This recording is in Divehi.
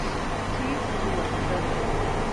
ޗީފް ސިވިލް އޮފިސަރ